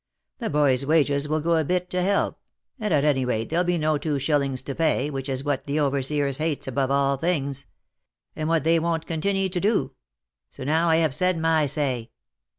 The boys' wages will go a bit to help, and at any rate there'll be no two shillings to pay, which is what the overseers hates above all things ; and what they won't continy to do. So now I have said my say."